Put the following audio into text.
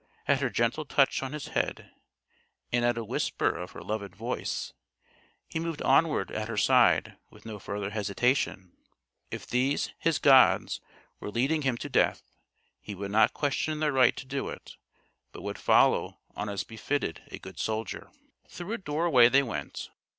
At her gentle touch on his head and at a whisper of her loved voice, he moved onward at her side with no further hesitation. If these, his gods, were leading him to death, he would not question their right to do it, but would follow on as befitted a good soldier. Through a doorway they went.